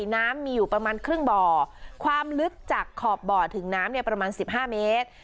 น้ำมีอยู่ประมาณครึ่งบ่อความลึกจากขอบบ่อถึงน้ำเนี่ยประมาณสิบห้าเมตร